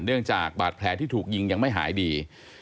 จากบาดแผลที่ถูกยิงยังไม่หายดี